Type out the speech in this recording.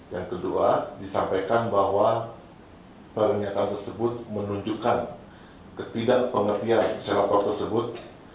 yang kedua disampaikan bahwa pernyataan tersebut menunjukkan ketidakpengertian selapor tersebut